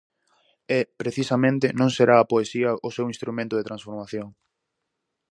E, precisamente, non será a poesía o seu instrumento de transformación.